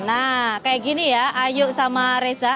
nah kayak gini ya ayu sama reza